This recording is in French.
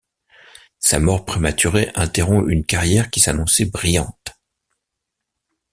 Sa mort prématurée interrompt une carrière qui s'annonçait brillante.